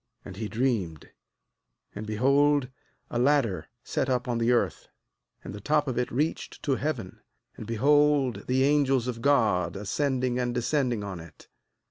12And he dreamed, and be hold a ladder set up on the earth, and the top of it reached to heaven; and behold the angels of God ascending and descending on it.